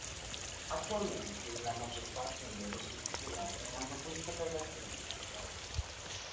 Attualmente la maggior parte delle rose coltivate hanno questa caratteristica.